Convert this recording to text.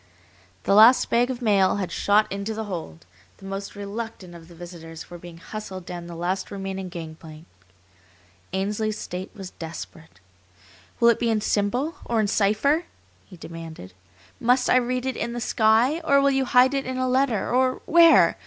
The last bag of mail had shot into the hold, the most reluctant of the visitors were being hustled down the last remaining gangplank. Ainsley's state was desperate. "Will it be in symbol, or in cipher?" he demanded. "Must I read it in the sky, or will you hide it in a letter, or where?